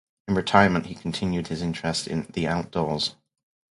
In retirement, he continued his interest in the outdoors.